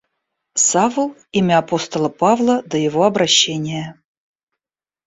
Савл — имя апостола Павла до его обращения.